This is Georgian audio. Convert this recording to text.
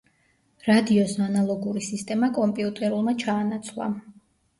რადიოს ანალოგური სისტემა კომპიუტერულმა ჩაანაცვლა.